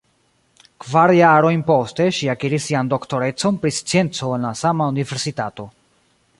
Kvar jarojn poste ŝi akiris sian doktorecon pri scienco en la sama universitato.